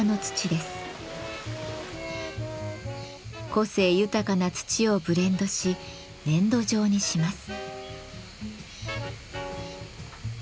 個性豊かな土をブレンドし粘土状にします。